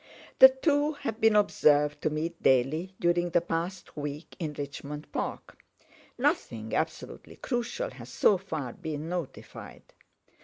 The two have been observed to meet daily during the past week in Richmond Park. Nothing absolutely crucial has so far been notified.